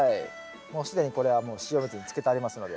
もう既にこれはもう塩水につけてありますので。